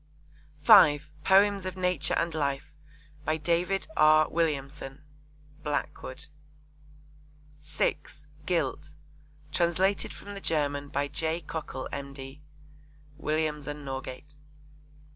(5) Poems of Nature and Life. By David R. Williamson. (Blackwood.) (6) Guilt. Translated from the German by J. Cockle, M.D. (Williams and Norgate.)